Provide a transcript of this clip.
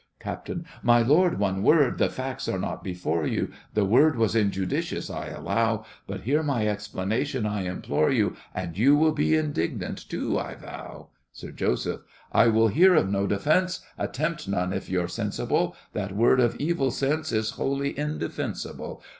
CAPT. My lord—one word—the facts are not before you The word was injudicious, I allow— But hear my explanation, I implore you, And you will be indignant too, I vow! SIR JOSEPH. I will hear of no defence, Attempt none if you're sensible. That word of evil sense Is wholly indefensible.